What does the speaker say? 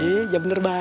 eh dia bener baik